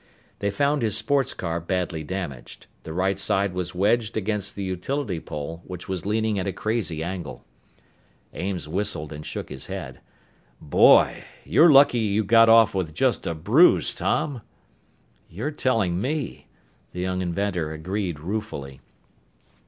They found his sports car badly damaged. The right side was wedged against the utility pole, which was leaning at a crazy angle. Ames whistled and shook his head. "Boy! You're lucky you got off with just a bruise, Tom!" "You're telling me," the young inventor agreed ruefully.